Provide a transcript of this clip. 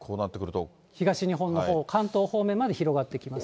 東日本のほう、関東方面まで広がっていきます。